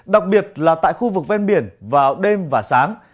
đặc biệt là tại khu vực ven biển vào đêm và sáng